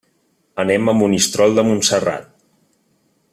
Anem a Monistrol de Montserrat.